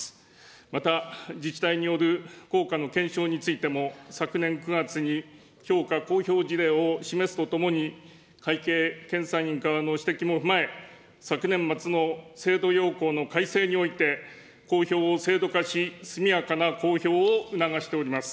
また自治体による効果の検証についても昨年９月に評価公表事例を示すとともに、会計検査院からの指摘も踏まえ、昨年末の制度要綱の改正において、公表を制度化し、速やかな公表を促しております。